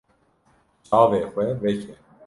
Çavê xwe veke.